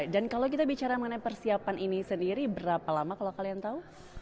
dan kalau kita bicara mengenai persiapan ini sendiri berapa lama kalau kalian tahu